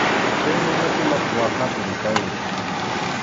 Chay runakunaqa waqatim kanku.